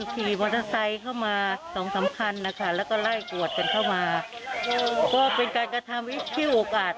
ทีนี้ก็มันไม่เคยมีมาก่อนนะคะ